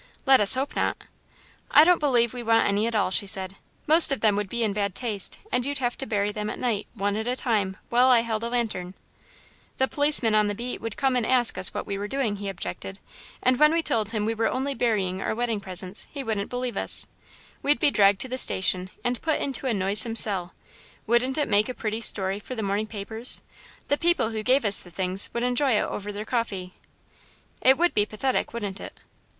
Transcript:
"Let us hope not." "I don't believe we want any at all," she said. "Most of them would be in bad taste, and you'd have to bury them at night, one at a time, while I held a lantern." "The policeman on the beat would come and ask us what we were doing," he objected; "and when we told him we were only burying our wedding presents, he wouldn't believe us. We'd be dragged to the station and put into a noisome cell. Wouldn't it make a pretty story for the morning papers! The people who gave us the things would enjoy it over their coffee." "It would be pathetic, wouldn't it?"